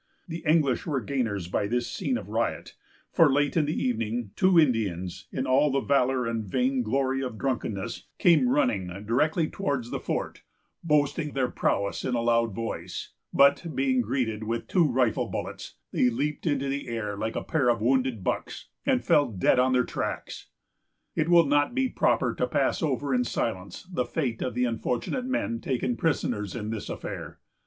The English were gainers by this scene of riot; for late in the evening, two Indians, in all the valor and vain glory of drunkenness, came running directly towards the fort, boasting their prowess in a loud voice; but being greeted with two rifle bullets, they leaped into the air like a pair of wounded bucks, and fell dead on their tracks. It will not be proper to pass over in silence the fate of the unfortunate men taken prisoners in this affair.